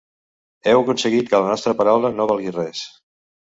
Heu aconseguit que la nostra paraula no valgui res.